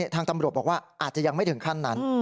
ทางตำรวจบอกว่าอาจจะยังไม่ถึงขั้นนั้น